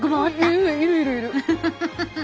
いるいるいる。